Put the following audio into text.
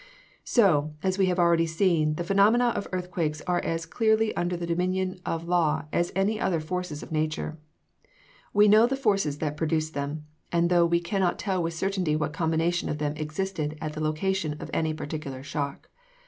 So, as we have already seen, the phenomena of earthquakes are as clearly under the domination of law as any other forces of nature. We know the forces that produce them, and though we can not tell with certainty what combination of them existed at the location of any particular shock.